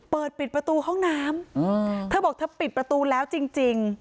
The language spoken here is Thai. เปิดปิดประตูห้องน้ำเธอบอกเธอปิดประตูแล้วจริง